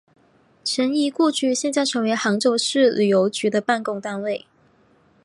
陈仪故居现在成为杭州市旅游局的办公单位。